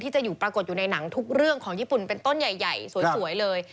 จะอยู่ปรากฏอยู่ในหนังทุกเรื่องของญี่ปุ่นเป็นต้นใหญ่สวยเลย